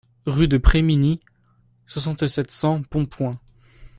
Rue de Prés Miny, soixante, sept cents Pontpoint